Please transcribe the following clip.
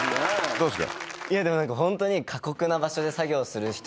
どうですか？